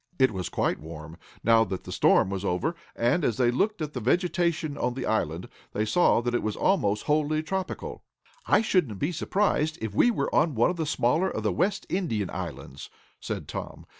It was quite warm, now that the storm was over, and, as they looked at the vegetation of the island, they saw that it was almost wholly tropical. "I shouldn't be surprised if we were on one of the smaller of the West Indian islands," said Tom.